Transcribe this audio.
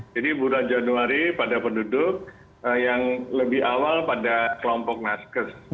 jadi bulan januari pada penduduk yang lebih awal pada kelompok naskes